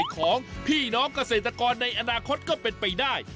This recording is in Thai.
เกษตรกรในอนาคตก็เป็นไปได้